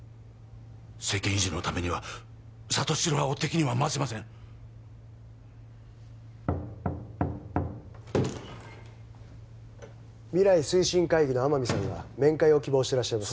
政権維持のためには里城派を敵には回せません未来推進会議の天海さんが面会を希望してらっしゃいます